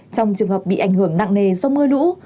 trong trường hợp bị ảnh hưởng nặng nề do mưa lũ